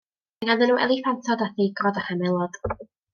Mae ganddyn nhw eliffantod a theigrod a chamelod.